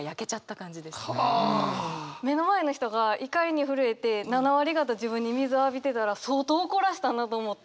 目の前の人が怒りに震えて７割方自分に水浴びてたら相当怒らしたなと思って。